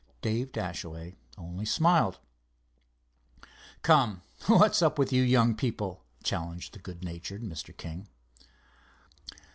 Dave Dashaway only smiled. "Come, what's up with you young people?" challenged the good natured Mr. King.